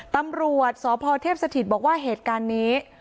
ตำรวจสพเทพสถิตบอกว่าเหตุการณ์นี้